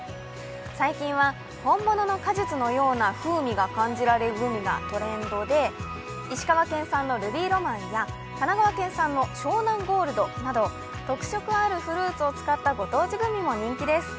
最近は本物の果実のような風味が感じられるグミがトレンドで石川県産のルビーロマンや神奈川県産の湘南ゴールドなど特色あるフルーツを使ったご当地グミも人気です。